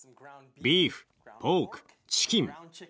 ビーフポークチキン。